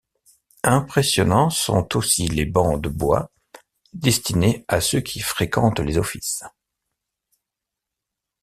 Impressionnants sont aussi les bancs de bois destinés à ceux qui fréquentent les offices.